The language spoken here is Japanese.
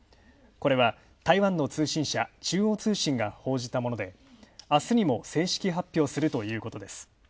これは台湾の通信社、中央通信が報じたもので、あすにも正式発表するということです。